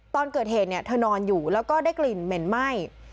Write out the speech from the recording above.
ตอนเกิดเหตุเนี่ยเธอนอนอยู่แล้วก็ได้กลิ่นเหม็นไหม้